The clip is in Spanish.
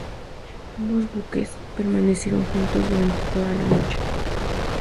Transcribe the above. Ambos buques permanecieron juntos durante toda la noche.